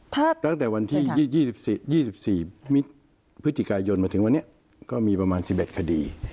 ตั้งแต่วันที่๒๔พฤศจิกายนมาถึงวันนี้ก็มีประมาณ๑๑คดี